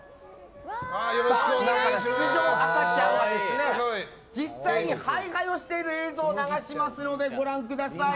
出場赤ちゃんが実際にハイハイをしている映像を流しますのでご覧ください。